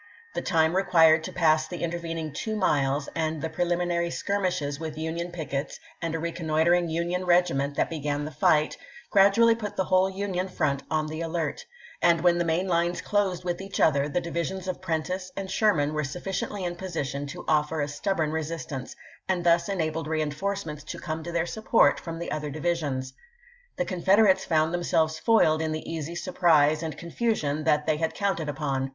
The time required to pass the intervening two miles, and the preliminary skirmishes with Union pickets and a reconnoitering Union regiment that began the fight, gradually put the whole Union front on the alert ; and when the main lines closed with each other, the divisions of Prentiss and Sher man were sufficiently in position to offer a stub born resistance, and thus enabled reenforcements to come to their support from the other divisions. The Confederates found themselves foiled in the easy surprise and confusion that they had counted upon.